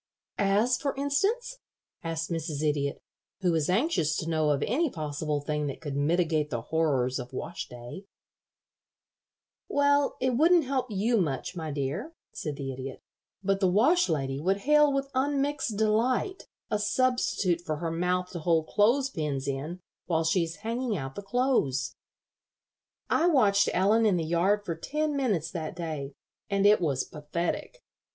"As, for instance?" asked Mrs. Idiot, who was anxious to know of any possible thing that could mitigate the horrors of wash day. [Illustration: "'A NICE LITTLE BASKET HAT ON HER HEAD TO HOLD THE PINS IN'"] "Well, it wouldn't help you much, my dear," said the Idiot, "but the wash lady would hail with unmixed delight a substitute for her mouth to hold clothes pins in while she is hanging out the clothes. I watched Ellen in the yard for ten minutes that day, and it was pathetic.